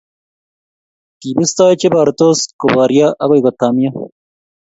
kibistoi che borsot ko borio agoi kotamio